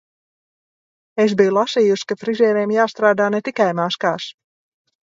Es biju lasījusi, ka frizieriem jāstrādā ne tikai maskās.